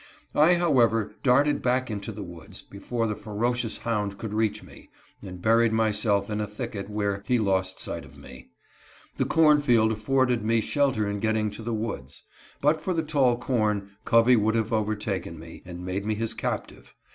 I, however, darted back into the woods before the ferocious hound could reach me, and buried myself in a thicket, where he lost sight of me. The cornfield afforded me shelter in get ting to the woods. But for the tall corn, Covey would have overtaken me, and made me his captive.